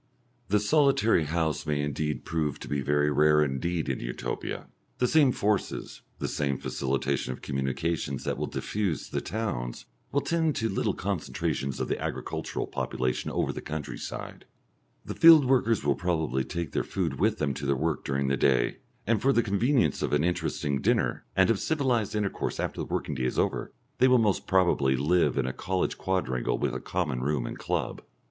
The solitary house may indeed prove to be very rare indeed in Utopia. The same forces, the same facilitation of communications that will diffuse the towns will tend to little concentrations of the agricultural population over the country side. The field workers will probably take their food with them to their work during the day, and for the convenience of an interesting dinner and of civilised intercourse after the working day is over, they will most probably live in a college quadrangle with a common room and club.